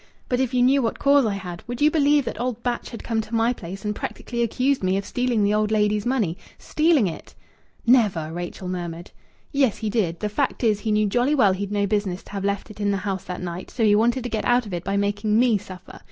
But if you knew what cause I had ...! Would you believe that old Batch had come to my place, and practically accused me of stealing the old lady's money stealing it!" "Never!" Rachel murmured. "Yes, he did. The fact is, he knew jolly well he'd no business to have left it in the house that night, so he wanted to get out of it by making me suffer.